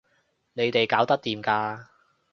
你哋搞得掂㗎